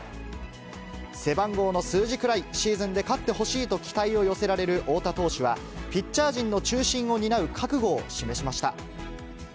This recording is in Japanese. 背番号の数字くらいシーズンで勝ってほしいと期待を寄せられる翁田投手は、ピッチャー陣の中心を担う覚悟を示しました。